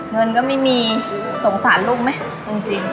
เงินก็ไม่มีสงสารลูกไหมจริง